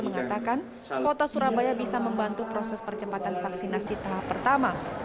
mengatakan kota surabaya bisa membantu proses percepatan vaksinasi tahap pertama